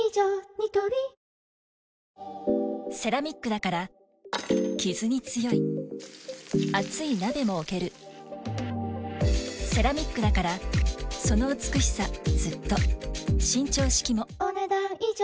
ニトリセラミックだからキズに強い熱い鍋も置けるセラミックだからその美しさずっと伸長式もお、ねだん以上。